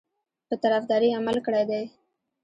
په طرفداري عمل کړی دی.